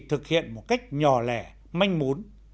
thực hiện một cách nhỏ lẻ manh mốn